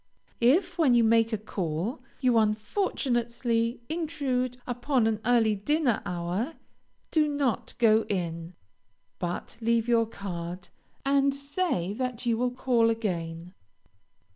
If, when you make a call, you unfortunately intrude upon an early dinner hour, do not go in, but leave your card, and say that you will call again.